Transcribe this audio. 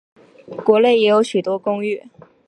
区内也有许多公寓。